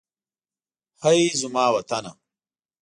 هئ! زما وطنه.